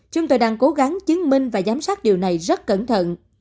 chúng tôi đang cố gắng chứng minh và giám sát điều này rất cẩn thận